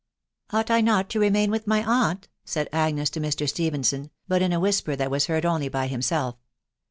" Ought I not to remain with my aunt ?" said Agnes to Mr. Stephenson, but in a whisper that was heard only by himself.